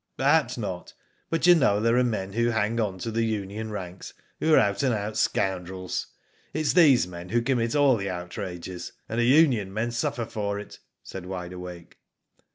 "Perhaps not; but you know there are men who hang on to the union ranks who are out and out scoundrels. It is these men who commit all the outrages, and the union men suffer for it/' said Wide Awake.